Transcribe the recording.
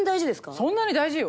そんなに大事よ。